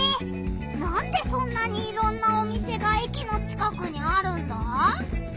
なんでそんなにいろんなお店が駅の近くにあるんだ？